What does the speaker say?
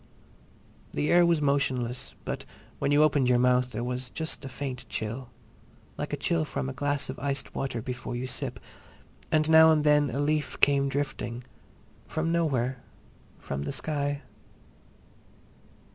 The air was motionless, but when you opened your mouth there was just a faint chill, like a chill from a glass of iced water before you sip, and now and again a leaf came drifting—from nowhere, from the sky.